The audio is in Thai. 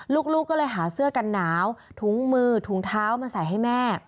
ลูกก็เลยหาเสื้อกันหนาวถุงมือถุงเท้ามาใส่ให้แม่